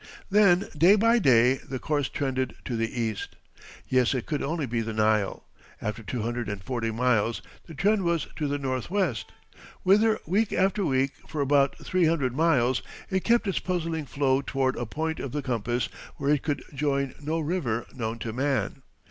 Then day by day the course trended to the east. Yes, it could only be the Nile. After two hundred and forty miles the trend was to the northwest, whither, week after week, for about three hundred miles it kept its puzzling flow toward a point of the compass where it could join no river known to man.